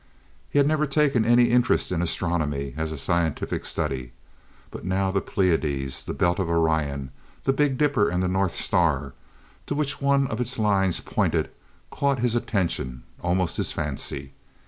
He had never taken any interest in astronomy as a scientific study, but now the Pleiades, the belt of Orion, the Big Dipper and the North Star, to which one of its lines pointed, caught his attention, almost his fancy.